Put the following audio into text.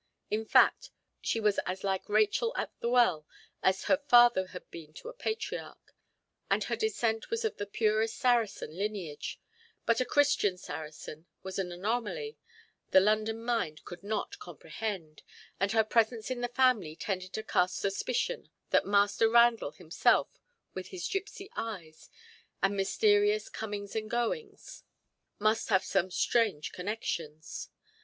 In fact, she was as like Rachel at the well as her father had been to a patriarch, and her descent was of the purest Saracen lineage, but a Christian Saracen was an anomaly the London mind could not comprehend, and her presence in the family tended to cast suspicion that Master Randall himself, with his gipsy eyes, and mysterious comings and goings, must have some strange connections.